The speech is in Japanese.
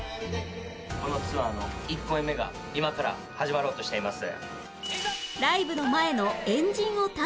このツアーの１公演目が今から始まろうとしています。